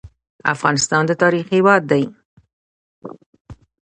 افغانستان د تاریخ هیواد دی